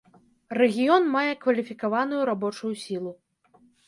Рэгіён мае кваліфікаваную рабочую сілу.